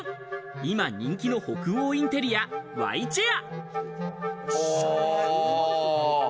今人気の北欧インテリア・Ｙチェア。